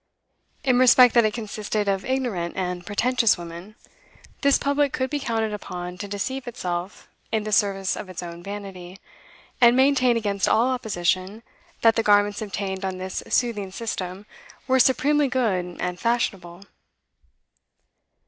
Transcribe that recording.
In respect that it consisted of ignorant and pretentious women, this public could be counted upon to deceive itself in the service of its own vanity, and maintain against all opposition that the garments obtained on this soothing system were supremely good and fashionable.